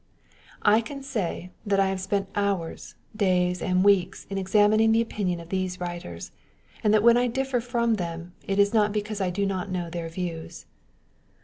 I can say, that I have spent hours, days, and weeks in examining the opinions of these writers, it\xd that when I differ from them, it is not be cause I do ttot know their views.